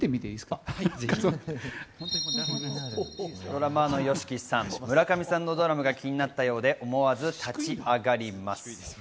ドラマのＹＯＳＨＩＫＩさん、村上さんのドラムが気になったようで、思わず立ち上がります。